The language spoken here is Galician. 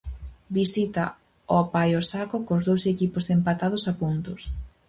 Visita ao Paiosaco cos dous equipos empatados a puntos.